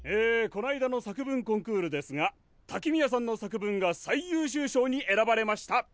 こないだの作文コンクールですが滝宮さんの作文が最優秀賞に選ばれました。